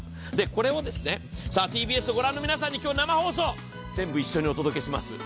これをＴＢＳを御覧の皆さんに今日、生放送、全部一緒にお届けします。